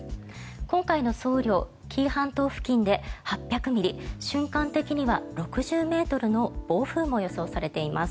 今回の総雨量紀伊半島付近で８００ミリ瞬間的には６０ｍの暴風も予想されています。